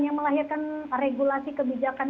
yang melahirkan regulasi kebijakan